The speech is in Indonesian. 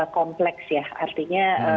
kompleks ya artinya